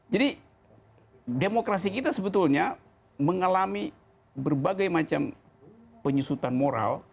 jadi demokrasi kita sebetulnya mengalami berbagai macam penyusutan moral